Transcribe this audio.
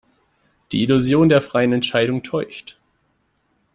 Die Illusion der freien Entscheidung täuscht.